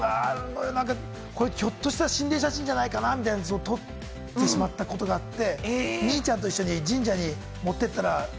ひょっとしたら心霊写真じゃないかなというのを撮ってしまったことがあって。